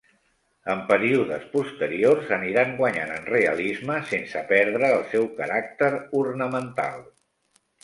En períodes posteriors aniran guanyant en realisme sense perdre el seu caràcter ornamental.